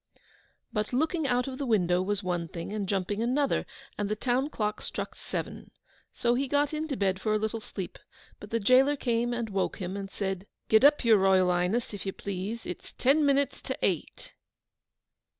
But looking out of the window was one thing, and jumping another: and the town clock struck seven. So he got into bed for a little sleep, but the gaoler came and woke him, and said, 'Git up, your Royal Ighness, if you please, it's TEN MINUTES TO EIGHT!